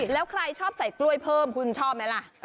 แล้วใครชอบใส่กล้วยเพิ่มคุณชอบไหมล่ะ